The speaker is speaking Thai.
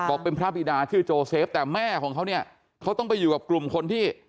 เป็นพระบิดาชื่อโจเซฟแต่แม่ของเขาเนี่ยเขาต้องไปอยู่กับกลุ่มคนที่